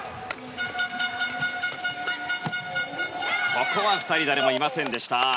ここは誰もいませんでした。